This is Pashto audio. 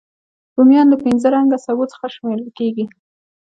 رومیان له پینځه رنګه سبو څخه شمېرل کېږي